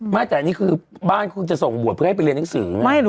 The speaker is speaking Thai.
แม่แต่เนี่ยบ้านคุณจะส่งบวชให้ไปเรียนหนังสือไหม